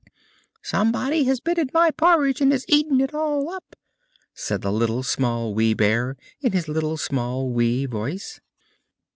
"SOMEBODY HAS BEEN AT MY PORRIDGE, AND HAS EATEN IT ALL UP!" said the Little, Small, Wee Bear, in his little, small, wee voice.